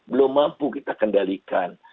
belum mampu kita kendalikan